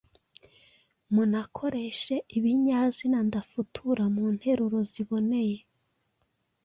munakoreshe ibinyazina ndafutura mu nteruro ziboneye.